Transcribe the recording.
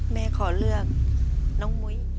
แม่ขอเลือกน้องมุ้ย